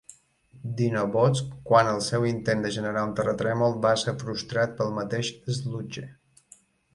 Dinobots quan el seu intent de generar un terratrèmol va ser frustrat pel mateix Sludge.